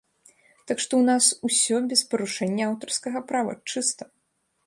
Так што, у нас усё без парушэння аўтарскага права, чыста!